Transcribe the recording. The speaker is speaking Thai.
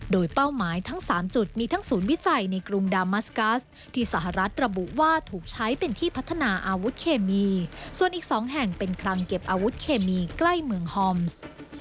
โดยเป้าหมายทั้ง๓จุดมีทั้งศูนย์วิจัยในกรุงดามัสกัสที่สหรัฐระบุว่าถูกใช้เป็นที่พัฒนาอาวุธเคมีส่วนอีก๒แห่งเป็นคลังเก็บอาวุธเคมีใกล้เมืองฮอมส์